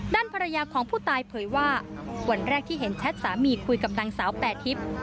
ด้านภรรยาของผู้ตายเผยว่าวันแรกที่เห็นแชทสามีคุยกับนางสาวแปรทิพย์